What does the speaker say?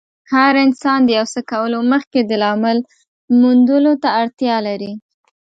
هر انسان د يو څه کولو مخکې د لامل موندلو ته اړتیا لري.